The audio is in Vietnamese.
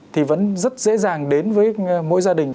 thì vẫn rất dễ dàng đến với mỗi gia đình